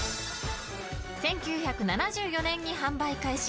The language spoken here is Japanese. １９７４年に販売開始